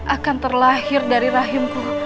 akan terlahir dari rahimku